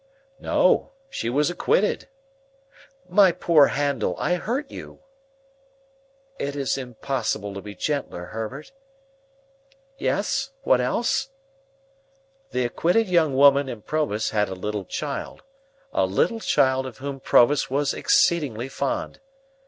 "No; she was acquitted.—My poor Handel, I hurt you!" "It is impossible to be gentler, Herbert. Yes? What else?" "This acquitted young woman and Provis had a little child; a little child of whom Provis was exceedingly fond.